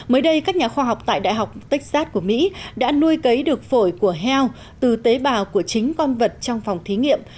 mới đây các nhà khoa học tại đại học texas của mỹ đã nuôi cấy được phổi của heo từ tế bào của chính con vật trong phòng thí nghiệm